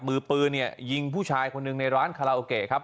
มือปืนเนี่ยยิงผู้ชายคนหนึ่งในร้านคาราโอเกะครับ